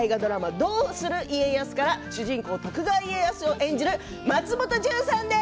「どうする家康」から主人公、徳川家康を演じる松本潤さんです。